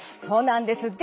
そうなんです。